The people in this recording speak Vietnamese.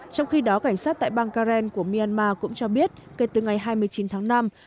trong khi đó cảnh sát tại bang karen của myanmar cũng cho biết kể từ ngày hai mươi chín tháng năm